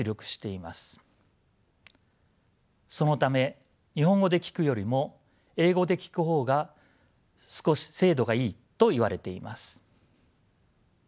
そのため日本語で聞くよりも英語で聞く方が少し精度がいいといわれています。